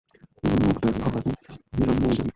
তিনি মোক্ষদার নাম রাখেন হিরন্ময়ী দেবী।